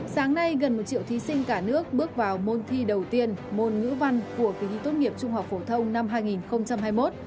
sáng nay gần một triệu thí sinh cả nước bước vào môn thi đầu tiên môn ngữ văn của kỳ thi tốt nghiệp trung học phổ thông năm hai nghìn hai mươi một